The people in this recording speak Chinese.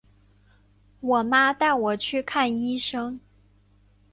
我妈带我去看医生